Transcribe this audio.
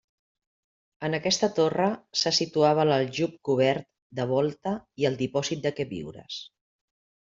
En aquesta torre se situava l'aljub cobert de volta i el dipòsit de queviures.